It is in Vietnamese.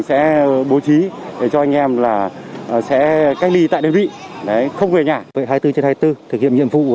sẽ bố trí để cho anh em là sẽ cách ly tại địa vị không về nhà vậy hai mươi bốn trên hai mươi bốn thực hiện nhiệm vụ